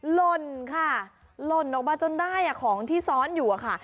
หล่นค่ะหล่นออกมาจนได้ของที่ซ้อนอยู่อะค่ะ